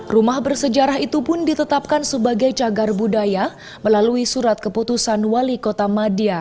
rumah bersejarah itu pun ditetapkan sebagai cagar budaya melalui surat keputusan wali kota madia